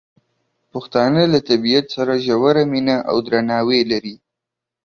پښتانه له طبیعت سره ژوره مینه او درناوی لري.